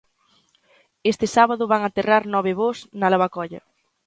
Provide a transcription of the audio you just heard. Este sábado van aterrar nove voos na Lavacolla.